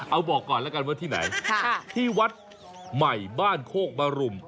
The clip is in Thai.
เอาบอกก่อนแล้วกันว่าที่ไหนที่วัดใหม่บ้านโคกบรุม